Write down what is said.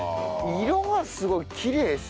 色がすごいきれいですね。